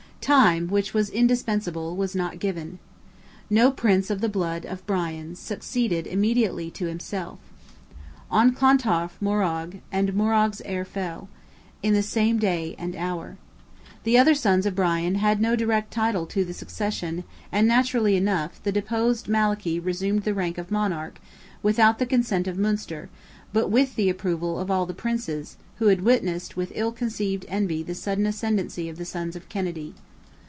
Time, which was indispensable, was not given. No Prince of the blood of Brian succeeded immediately to himself. On Clontarf Morrogh, and Morrogh's heir fell, in the same day and hour. The other sons of Brian had no direct title to the succession, and, naturally enough, the deposed Malachy resumed the rank of monarch, without the consent of Munster, but with the approval of all the Princes, who had witnessed with ill concealed envy the sudden ascendancy of the sons of Kennedy.